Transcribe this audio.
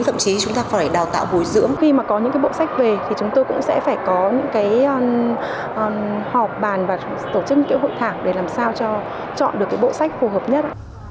bồi dưỡng khi mà có những cái bộ sách về thì chúng tôi cũng sẽ phải có những cái họp bàn và tổ chức những cái hội thảo để làm sao cho chọn được cái bộ sách phù hợp nhất